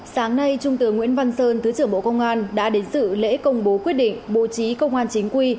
sáng nay trung tướng nguyễn văn sơn thứ trưởng bộ công an đã đến sự lễ công bố quyết định bố trí công an chính quy